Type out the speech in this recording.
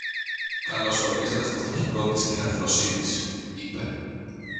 Καλώς ορίσατε στο φτωχικό της κυρα-Φρόνησης, είπε.